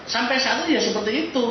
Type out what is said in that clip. sampai saat itu ya seperti itu